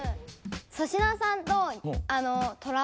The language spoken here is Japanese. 粗品さんとトラ。